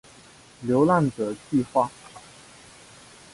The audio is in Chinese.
流浪者计画